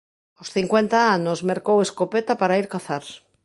Aos cincuenta anos mercou escopeta para ir cazar.